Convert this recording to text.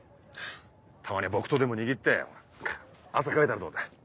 たまには木刀でも握って汗かいたらどうだ？